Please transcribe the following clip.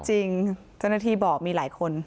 จริงเจ้าหน้าที่บอกมีหลายคน